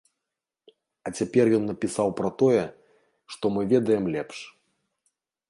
А цяпер ён напісаў пра тое, што мы ведаем лепш.